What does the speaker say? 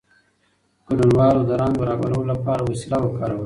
ګډونوالو د رنګ برابرولو لپاره وسیله وکاروله.